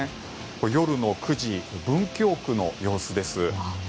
夜の９時、文京区の様子です。